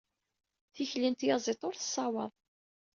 Tikli n tyaẓiḍt ur tessawaḍ.